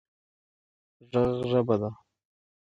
ږغ ژبه ده